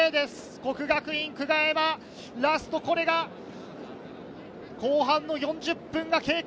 國學院久我山、ラストこれが後半の４０分が経過。